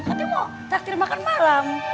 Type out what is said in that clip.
katanya mau traktir makan malam